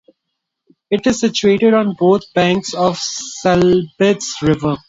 It is situated on both banks of the Selbitz river.